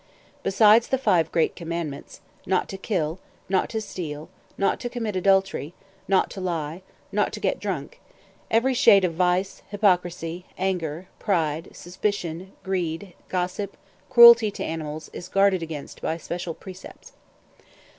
Beside the five great commandments, not to kill, not to steal, not to commit adultery, not to lie, not to get drunk, every shade of vice, hypocrisy, anger, pride, suspicion, greed, gossip, cruelty to animals, is guarded against by special precepts.